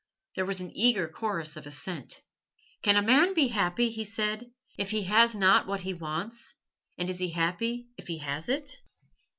There was an eager chorus of assent. "Can a man be happy," he said, "if he has not what he wants, and is he happy if he has it?"